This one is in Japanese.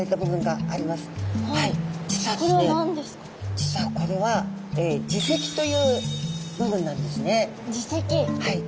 実はこれは耳石という部分なんですね。